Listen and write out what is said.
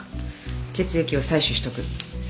血液を採取しておく。